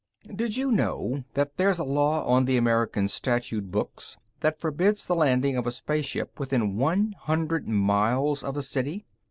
Did you know that there's a law on the American statute books that forbids the landing of a spaceship within one hundred miles of a city?